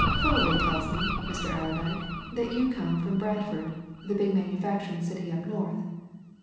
Fullaway tells me, Mr. Allerdyke, that you come from Bradford, the big manufacturing city up north.